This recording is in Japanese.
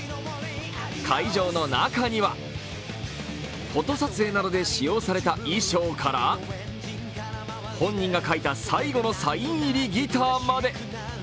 会場の中には、フォト撮影などで使用された衣装から本人が書いた最後のサイン入りギターまで。